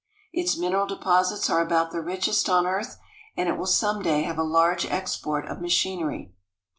Its mineral deposits are about the richest on earth, and it will some day have a large export of machinery.